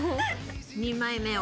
２枚目を。